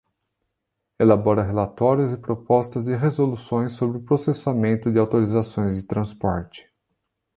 Elabora relatórios e propostas de resoluções sobre o processamento de autorizações de transporte.